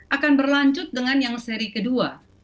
akan berlanjut dengan yang seri kedua